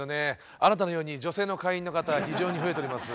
あなたのように女性の会員の方非常に増えております。